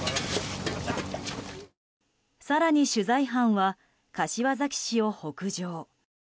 更に取材班は柏崎市を北上。